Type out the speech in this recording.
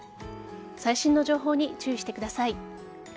最新の情報に注意してください。